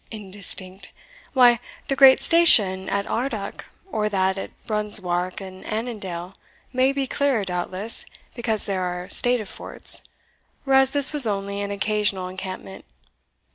Indistinct! why, the great station at Ardoch, or that at Burnswark in Annandale, may be clearer, doubtless, because they are stative forts, whereas this was only an occasional encampment.